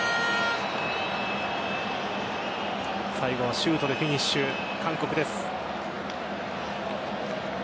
最後はシュートでフィニッシュ韓国です。